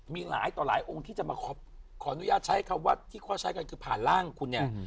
มีหลายต่อหลายองค์ที่จะมาขออนุญาตใช้คำว่าที่ข้อใช้กันคือผ่านร่างคุณเนี่ย